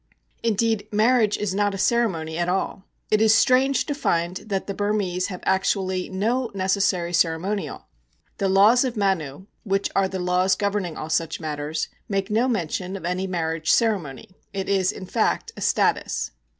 Indeed, marriage is not a ceremony at all. It is strange to find that the Burmese have actually no necessary ceremonial. The Laws of Manu, which are the laws governing all such matters, make no mention of any marriage ceremony; it is, in fact, a status.